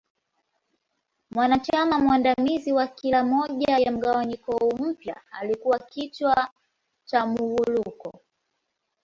Mwanachama mwandamizi wa kila moja ya mgawanyiko huu mpya alikua kichwa cha Muwuluko.